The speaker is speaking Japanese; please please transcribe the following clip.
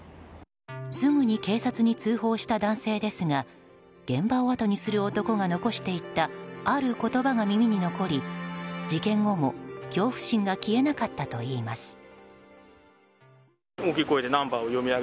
すぐに警察に通報した男性ですが現場をあとにする男が残していったある言葉が耳に残り事件後も恐怖心が消えなかったといいます。